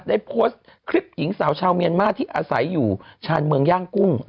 ได้โพสต์คลิปหญิงสาวชาวเมียนมาที่อาศัยอยู่ชาญเมืองย่างกุ้ง